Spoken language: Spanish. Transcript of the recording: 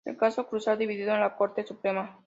El caso Cruzan dividió a la Corte Suprema.